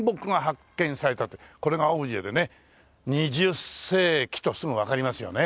これがオブジェでね二十世紀とすぐわかりますよね。